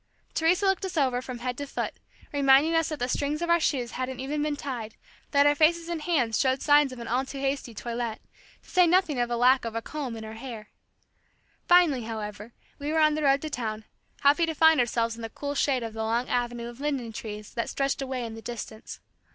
Teresa looked us over from head to foot, reminding us that the strings of our shoes hadn't even been tied, that our faces and hands showed signs of an all too hasty toilet, to say nothing of a lack of a comb in our hair. Finally, however, we were on the road to town, happy to find ourselves in the cool shade of the long avenue of linden trees that stretched away in the distance.